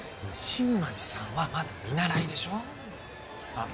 新町さんはまだ見習いでしょあっ